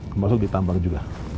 termasuk di tambang juga